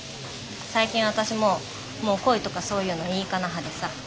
最近私ももう恋とかそういうのいいかな派でさ。